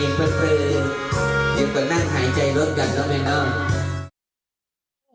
อยู่กับนั่งหายใจรถกันนะแม่น้อง